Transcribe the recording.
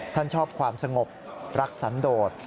ชอบความสงบรักสันโดด